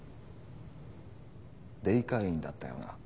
デイ会員だったよな。